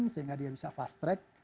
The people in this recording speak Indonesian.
sehingga dia bisa fast track